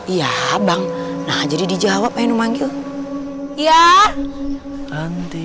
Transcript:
iya bang nah jadi dijawab menu manggil ya